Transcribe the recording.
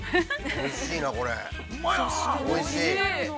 おいしい！